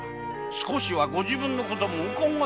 少しはご自分の事もお考を。